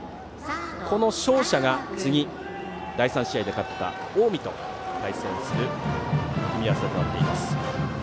この勝者が第３試合で勝った近江と対戦する組み合わせとなっています。